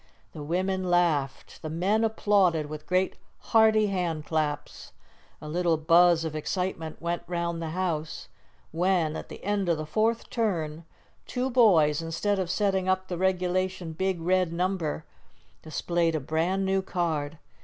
The women laughed, the men applauded with great hearty hand claps. A little buzz of excitement went round the house when, at the end of the fourth turn, two boys, instead of setting up the regulation big red number, displayed a brand new card.